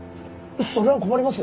それは困ります！